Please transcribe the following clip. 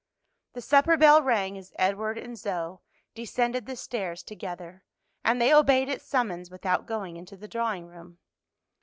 The supper bell rang as Edward and Zoe descended the stairs together, and they obeyed its summons without going into the drawing room.